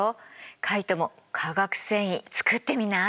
カイトも化学繊維作ってみない？